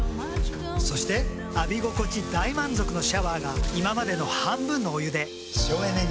そして浴び心地大満足のシャワーが今までの半分のお湯で省エネに。